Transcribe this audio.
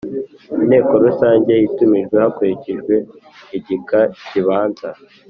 Inteko Rusange Itumijwe Hakurikijwe Igika kibanza